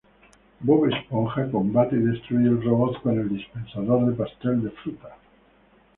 Bob Esponja combate y destruye el robot con el dispensador de pastel de frutas.